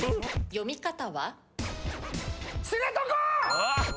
読み方は？